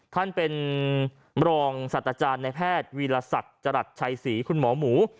ท่านเป็นรองสัตว์อาจารย์ในแพทย์วีรศักดิ์จรัสชัยศรีคุณหมอหมู